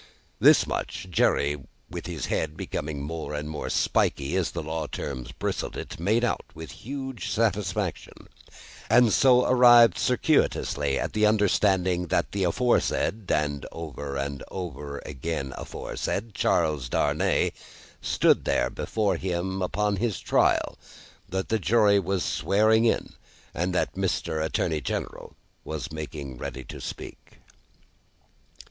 This much, Jerry, with his head becoming more and more spiky as the law terms bristled it, made out with huge satisfaction, and so arrived circuitously at the understanding that the aforesaid, and over and over again aforesaid, Charles Darnay, stood there before him upon his trial; that the jury were swearing in; and that Mr. Attorney General was making ready to speak.